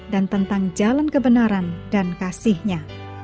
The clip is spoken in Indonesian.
tentang jalan kebenaran dan kasihnya